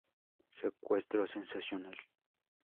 Secuestro sensacional!!!